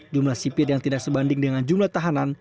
jumlah sipir yang tidak sebanding dengan jumlah tahanan